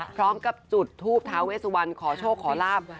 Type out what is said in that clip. พร้อมกับจุดธูปธาวเวซวัลขอโชคขอราพ